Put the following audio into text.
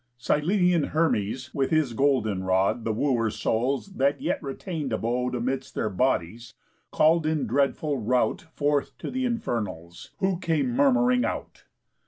Cyllenian Hermes, with his golden rod, The Wooers' souls, that yet retain'd abode Amidst their bodies, call'd in dreadful rout Forth to th' Infernals; who came murmuring out.